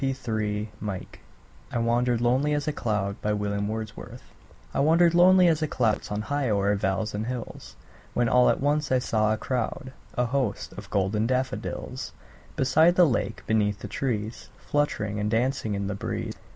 William Wordsworth I Wandered Lonely As a Cloud I WANDERED lonely as a cloud That floats on high o'er vales and hills, When all at once I saw a crowd, A host, of golden daffodils; Beside the lake, beneath the trees, Fluttering and dancing in the breeze.